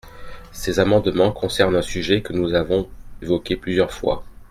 Ces amendements concernent un sujet que nous avons évoqué plusieurs fois.